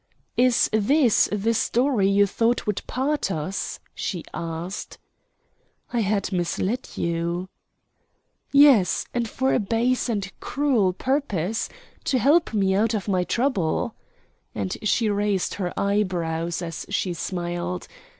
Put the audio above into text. "Is this the story you thought would part us?" she asked. "I had misled you." "Yes, and for a base and cruel purpose to help me out of my trouble," and she raised her eyebrows as she smiled.